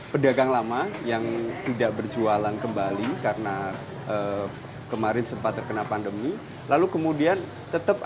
pedagang lama yang tidak berjualan kembali karena kemarin sempat terkena pandemi lalu kemudian tetap